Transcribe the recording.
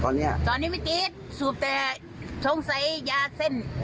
ตอนนั้นเหรอตอนนี้ไม่ติดสูบแต่ทรงใสยาเส้น